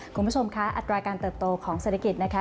คุณผู้ชมคะอัตราการเติบโตของเศรษฐกิจนะคะ